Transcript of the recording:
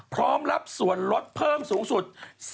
สร้างส่วนลดเพิ่มสูงสุด